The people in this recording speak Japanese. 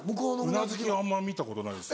うなずきはあんま見たことないです。